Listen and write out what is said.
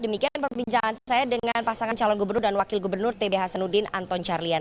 demikian perbincangan saya dengan pasangan calon gubernur dan wakil gubernur tb hasanuddin anton carlyan